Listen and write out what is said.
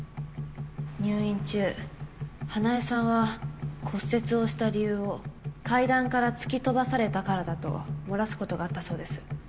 入院中花恵さんは骨折をした理由を階段から突き飛ばされたからだと漏らすことがあったそうです。